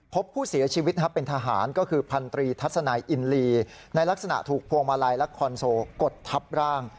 พบผู้เสียชีวิตเป็นทหารก็คือพันธรีทัศนัยอินลีในลักษณะถูกพวงมาลัยและคอนโซลกดทับร่าง